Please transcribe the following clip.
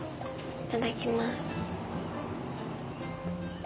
いただきます。